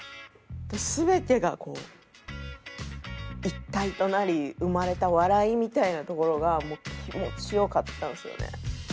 全てがこう一体となり生まれた笑いみたいなところがもう気持ちよかったんですよね。